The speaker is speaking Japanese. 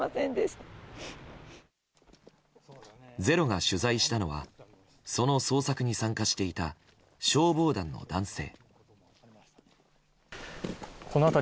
「ｚｅｒｏ」が取材したのはその捜索に参加していた消防団の男性。